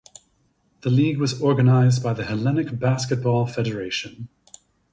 The league was organized by the Hellenic Basketball Federation.